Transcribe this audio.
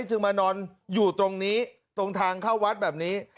จึงมานอนอยู่ตรงนี้ตรงทางเข้าวัดแบบนี้